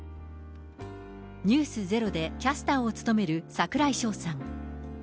ｎｅｗｓｚｅｒｏでキャスターを務める櫻井翔さん。